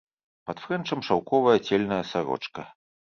Пад фрэнчам шаўковая цельная сарочка.